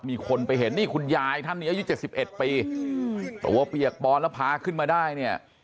มีคนไปเห็นนี่คุณยายท่านนี้อายุ๗๑ปีตัวเปียกปอนแล้วพาขึ้นมาได้เนี่ย